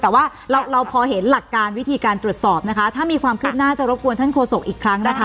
แต่ว่าเราเราพอเห็นหลักการวิธีการตรวจสอบนะคะถ้ามีความคืบหน้าจะรบกวนท่านโฆษกอีกครั้งนะคะ